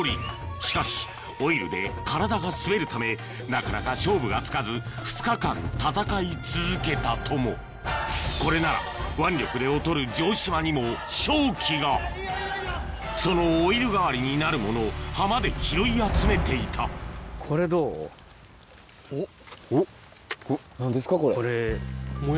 しかしオイルで体が滑るためなかなか勝負がつかず２日間戦い続けたともこれなら腕力で劣る城島にもそのオイル代わりになるものを浜で拾い集めていたおっ。